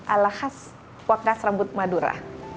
alah khas pangkas rambut madura